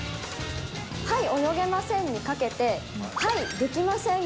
はい、泳げませんにかけてはい、できません